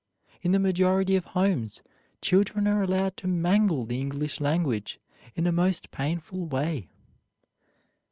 In the majority of homes, children are allowed to mangle the English language in a most painful way.